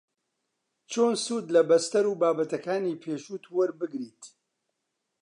چۆن سوود لە بەستەر و بابەتەکانی پێشووت وەربگریت